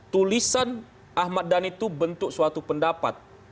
tulisan ahmad dhani itu bentuk suatu pendapat